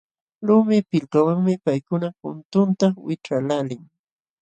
Lumi pirkawanmi paykuna puntunta wićhqaqlaalin.